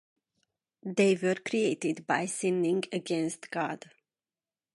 they were created, by sinning against God.